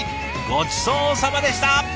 ごちそうさまでした！